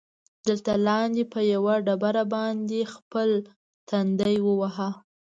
دلته لاندې، په یوه ډبره باندې خپل تندی ووهه.